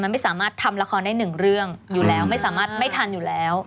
มันไม่สามารถทำละครได้หนึ่งเรื่องอยู่แล้วไม่สามารถไม่ทันอยู่แล้ว